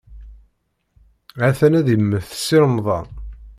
Ha-t-an ad immet Si Remḍan.